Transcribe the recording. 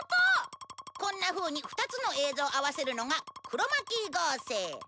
こんなふうに２つの映像を合わせるのがクロマキー合成。